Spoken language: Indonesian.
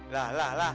lah lah lah